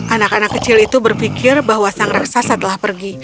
anak anak kecil itu berpikir bahwa sang raksasa telah pergi